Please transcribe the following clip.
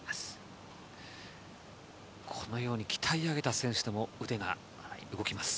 このように鍛え上げた選手でも動きます。